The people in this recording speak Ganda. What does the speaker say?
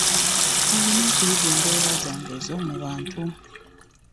Olina okuyiga embeera zange ez'omu bantu.